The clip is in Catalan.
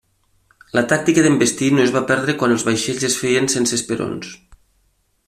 La tàctica d'envestir no es va perdre quan els vaixells es feien sense esperons.